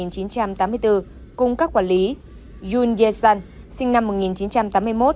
cùng các quản lý yoon ye sun sinh năm một nghìn chín trăm tám mươi một